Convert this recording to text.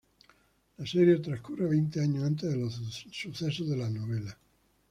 La serie transcurre veinte años antes de los sucesos de la novela.